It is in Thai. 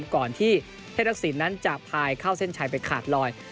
ก่อนที่เท่ทักษิณนั้นจะพายเข้าเส้นชัยไปขาดลอย